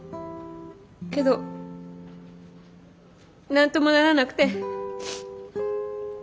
けど何ともならなくて。